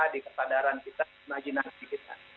di kesadaran kita di imaginasi kita